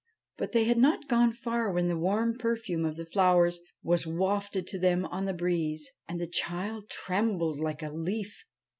But they had not gone far when the warm perfume of the flowers was wafted to them on the breeze, and the child trembled like a leaf.